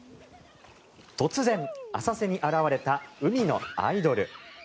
突然、浅瀬に現れた海のアイドル。